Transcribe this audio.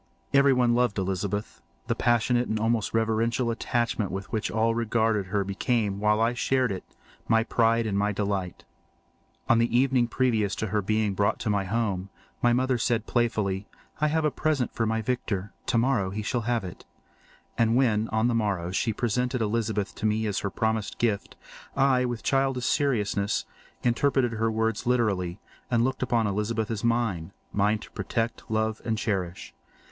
Everyone loved Elizabeth. The passionate and almost reverential attachment with which all regarded her became, while I shared it, my pride and my delight. On the evening previous to her being brought to my home, my mother had said playfully, "I have a pretty present for my Victor—tomorrow he shall have it." And when, on the morrow, she presented Elizabeth to me as her promised gift, I, with childish seriousness, interpreted her words literally and looked upon Elizabeth as mine—mine to protect, love, and cherish.